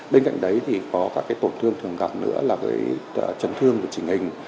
bên cạnh đấy thì có các tổn thương thường gặp nữa là chấn thương về trình hình